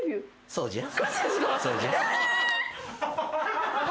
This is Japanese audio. そうじゃ。